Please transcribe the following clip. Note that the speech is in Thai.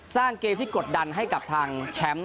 สร้างเกมที่กดดันให้กับทางแชมป์